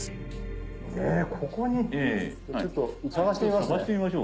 ちょっと探してみますね。